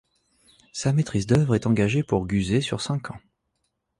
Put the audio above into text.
Sa maîtrise d'œuvre est engagée pour Guzet sur cinq ans.